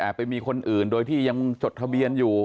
ไปมีคนอื่นโดยที่ยังจดทะเบียนอยู่